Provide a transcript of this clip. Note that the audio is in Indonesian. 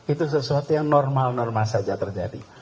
itu sesuatu yang normal normal saja terjadi